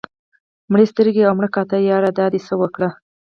مړې سترګې او مړه کاته ياره دا دې څه اوکړه